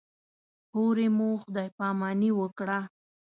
هورې مو خدای پاماني وکړه.